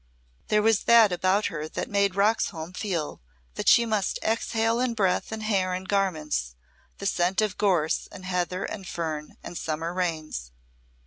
There was that about her that made Roxholm feel that she must exhale in breath and hair and garments the scent of gorse and heather and fern and summer rains.